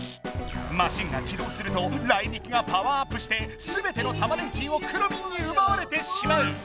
マシンがきどうするとライリキがパワーアップしてすべてのタマ電Ｑをくろミンにうばわれてしまう！